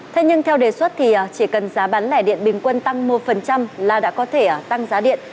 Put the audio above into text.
thế nhưng theo đề xuất thì chỉ cần giá bán lẻ điện bình quân tăng một là đã có thể tăng giá điện